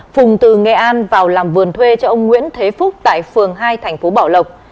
phùng từ nghệ an vào làm vườn thuê cho ông nguyễn thế phúc tại phường hai thành phố bảo lộc